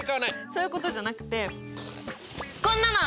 そういうことじゃなくてこんなの！